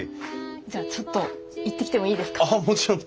じゃあちょっと行ってきてもいいですか？ああもちろん。